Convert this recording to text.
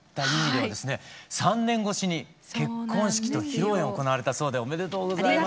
３年越しに結婚式と披露宴を行われたそうでおめでとうございます。